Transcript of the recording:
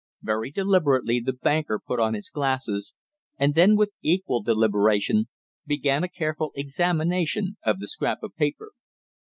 Very deliberately the banker put on his glasses, and then with equal deliberation began a careful examination of the scrap of paper.